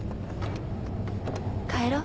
帰ろう。